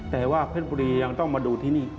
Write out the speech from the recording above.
แต่ว่าเพชรบุรียังต้องมาดูที่นี่